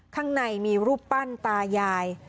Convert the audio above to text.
ข้างในมีรูปปั้นตายาย